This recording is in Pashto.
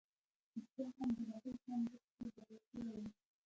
رښتيا هم د هغه ژوند بشپړ بدل شوی و.